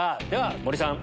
森さん